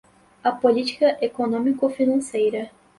a política econômico-financeira